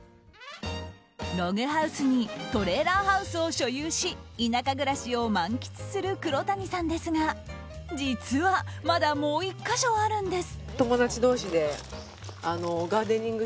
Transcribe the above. ログハウスにトレーラーハウスを所有し田舎暮らしを満喫する黒谷さんですが実は、まだもう１か所あるんです。